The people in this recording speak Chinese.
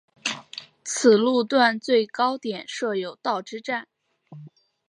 此路段最高点设有道之站。